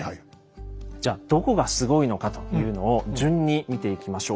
じゃどこがすごいのかというのを順に見ていきましょう。